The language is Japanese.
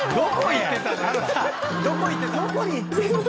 どこ行ってたの？